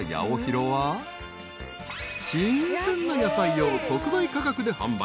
［新鮮な野菜を特売価格で販売］